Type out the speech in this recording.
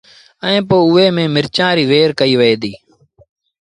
ائيٚݩ پو اُئي ميݩ مرچآݩ ريٚ وهير ڪئيٚ وهي ديٚ